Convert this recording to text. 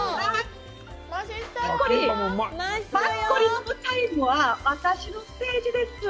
マッコリ飲むタイムは私のステージです